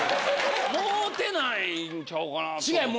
もうてないんちゃうかなと思って。